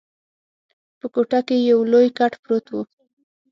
په کوټه کي یو لوی کټ پروت وو.